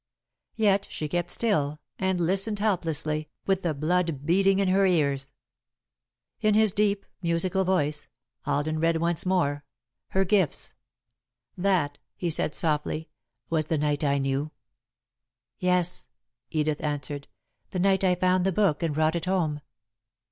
Yet she kept still, and listened helplessly, with the blood beating in her ears. In his deep, musical voice, Alden read once more: Her Gifts. "That," he said, softly, "was the night I knew." "Yes," Edith answered. "The night I found the book and brought it home."